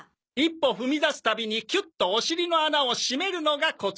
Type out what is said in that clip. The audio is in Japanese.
１歩踏み出すたびにキュッとお尻の穴を締めるのがコツです。